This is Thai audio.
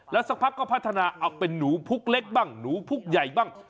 สักพักก็พัฒนาเอาเป็นหนูพุกเล็กบ้างหนูพุกใหญ่บ้าง